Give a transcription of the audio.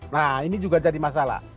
nah ini juga jadi masalah